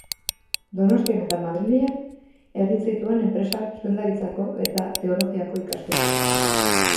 Donostian eta Madrilen egin zituen Enpresa Zuzendaritzako eta Teologiako ikasketak.